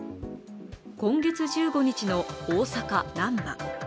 今月１５日の大阪・難波。